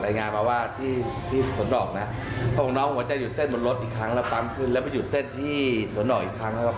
แล้วหมอเขาว่าเขียวว่าที่หมอคืออะไรนะ